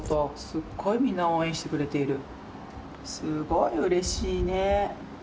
すごくうれしいね！